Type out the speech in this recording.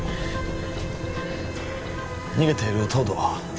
逃げている東堂は？